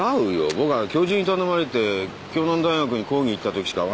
僕は教授に頼まれて京南大学に講義行ったときしか会わないもん。